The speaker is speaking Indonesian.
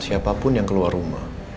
siapapun yang keluar rumah